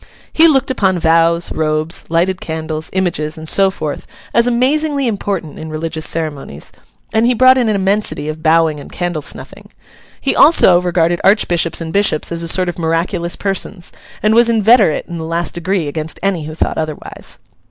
He looked upon vows, robes, lighted candles, images, and so forth, as amazingly important in religious ceremonies; and he brought in an immensity of bowing and candle snuffing. He also regarded archbishops and bishops as a sort of miraculous persons, and was inveterate in the last degree against any who thought otherwise.